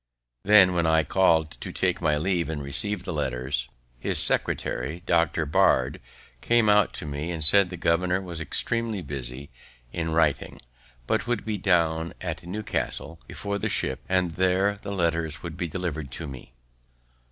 Then, when I call'd to take my leave and receive the letters, his secretary, Dr. Bard, came out to me and said the governor was extremely busy in writing, but would be down at Newcastle, before the ship, and there the letters would be delivered to me.